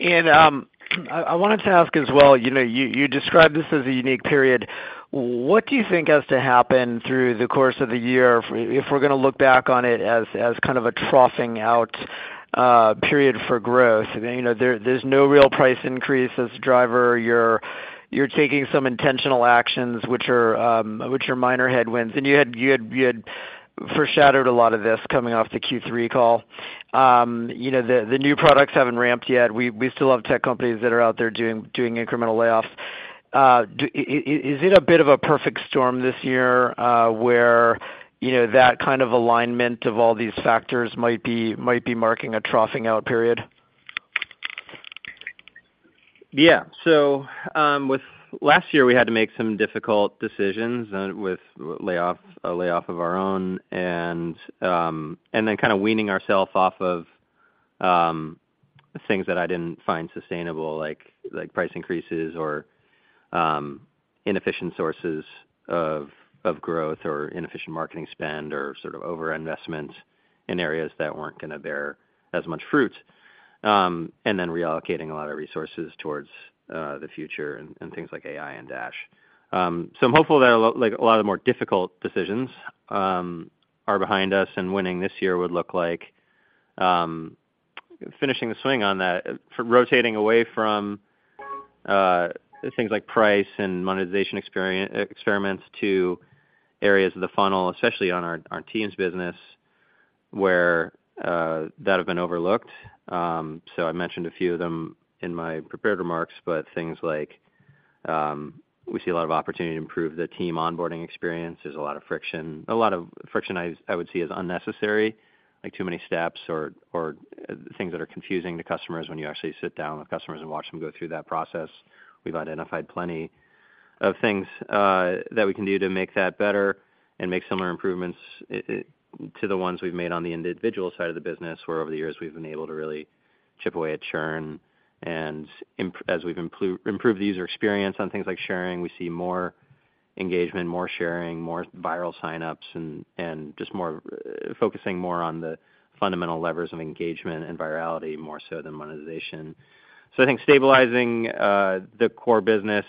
[SPEAKER 10] I wanted to ask as well, you described this as a unique period. What do you think has to happen through the course of the year if we're going to look back on it as kind of a troughing-out period for growth? There's no real price increase as a driver. You're taking some intentional actions, which are minor headwinds. And you had foreshadowed a lot of this coming off the Q3 call. The new products haven't ramped yet. We still have tech companies that are out there doing incremental layoffs. Is it a bit of a perfect storm this year where that kind of alignment of all these factors might be marking a troughing-out period?
[SPEAKER 3] Yeah. So last year, we had to make some difficult decisions with a layoff of our own and then kind of weaning ourselves off of things that I didn't find sustainable, like price increases or inefficient sources of growth or inefficient marketing spend or sort of overinvestment in areas that weren't going to bear as much fruit, and then reallocating a lot of resources towards the future and things like AI and Dash. So I'm hopeful that a lot of the more difficult decisions are behind us and winning this year would look like finishing the swing on that, rotating away from things like price and monetization experiments to areas of the funnel, especially on our Teams business, where that have been overlooked. So I mentioned a few of them in my prepared remarks, but things like we see a lot of opportunity to improve the Team onboarding experience. There's a lot of friction. A lot of friction, I would see, is unnecessary, like too many steps or things that are confusing to customers when you actually sit down with customers and watch them go through that process. We've identified plenty of things that we can do to make that better and make similar improvements to the ones we've made on the individual side of the business, where over the years, we've been able to really chip away at churn. As we've improved the user experience on things like sharing, we see more engagement, more sharing, more viral signups, and just focusing more on the fundamental levers of engagement and virality more so than monetization. I think stabilizing the core business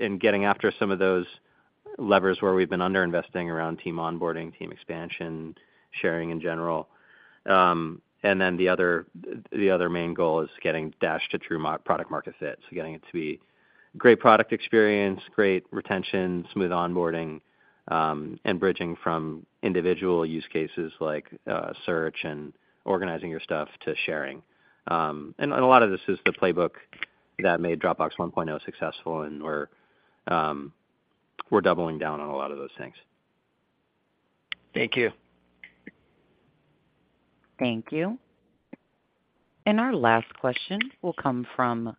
[SPEAKER 3] and getting after some of those levers where we've been underinvesting around Team onboarding, Team expansion, sharing in general. Then the other main goal is getting Dash to true product-market fit, so getting it to be great product experience, great retention, smooth onboarding, and bridging from individual use cases like search and organizing your stuff to sharing. A lot of this is the playbook that made Dropbox 1.0 successful, and we're doubling down on a lot of those things.
[SPEAKER 10] Thank you.
[SPEAKER 1] Thank you. And our last question will come from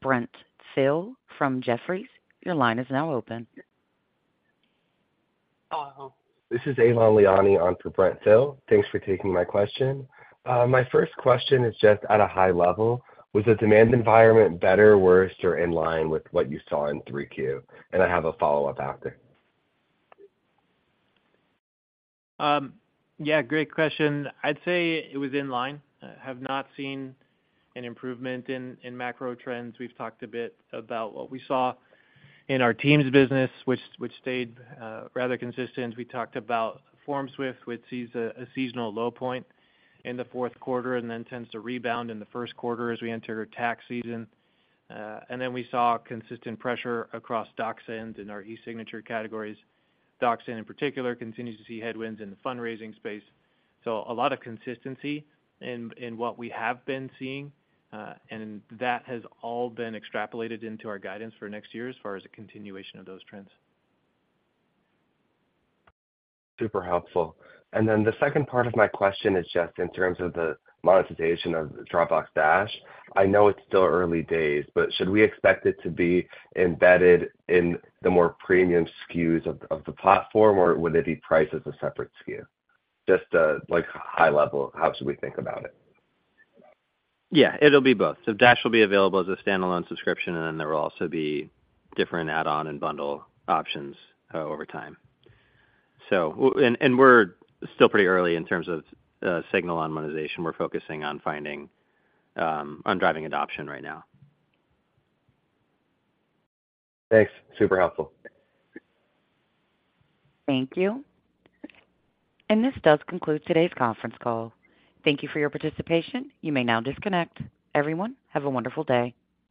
[SPEAKER 1] Brent Thill from Jefferies. Your line is now open.
[SPEAKER 11] This is Aylon Leoni on for Brent Thill. Thanks for taking my question. My first question is just at a high level, was the demand environment better, worse, or in line with what you saw in 3Q? I have a follow-up after.
[SPEAKER 3] Yeah. Great question. I'd say it was in line. I have not seen an improvement in macro trends. We've talked a bit about what we saw in our Teams business, which stayed rather consistent. We talked about FormSwift, which sees a seasonal low point in the fourth quarter and then tends to rebound in the first quarter as we enter tax season. And then we saw consistent pressure across DocSend and our e-signature categories. DocSend, in particular, continues to see headwinds in the fundraising space. So a lot of consistency in what we have been seeing, and that has all been extrapolated into our guidance for next year as far as a continuation of those trends.
[SPEAKER 11] Super helpful. And then the second part of my question is just in terms of the monetization of Dropbox Dash. I know it's still early days, but should we expect it to be embedded in the more premium SKUs of the platform, or would it be priced as a separate SKU? Just high level, how should we think about it?
[SPEAKER 3] Yeah. It'll be both. So Dash will be available as a standalone subscription, and then there will also be different add-on and bundle options over time. And we're still pretty early in terms of signal on monetization. We're focusing on driving adoption right now.
[SPEAKER 11] Thanks. Super helpful.
[SPEAKER 1] Thank you. This does conclude today's conference call. Thank you for your participation. You may now disconnect. Everyone, have a wonderful day.